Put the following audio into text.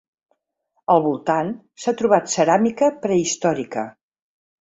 Al voltant s'ha trobat ceràmica prehistòrica.